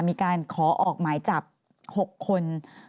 มีการขอออกหมายจับ๖คน